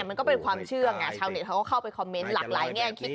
มันก็เป็นความเชื่อไงชาวเน็ตเขาก็เข้าไปคอมเมนต์หลากหลายแง่คิด